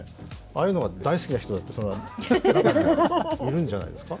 ああいうのは大好きな人だって中にはいるんじゃないですか。